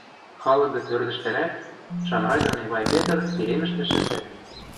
Халык гӹц ӧрдӹжтӹрӓк Шамрай дон Эвай Петр сиремӹштӹ шӹнзӓт.